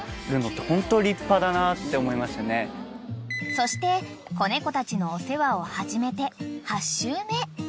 ［そして子猫たちのお世話を始めて８週目］